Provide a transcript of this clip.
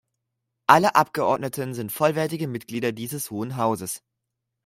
Alle Abgeordneten sind vollwertige Mitglieder dieses Hohen Hauses.